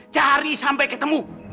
cari sampai ketemu